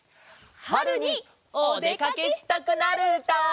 春におでかけしたくなるうた！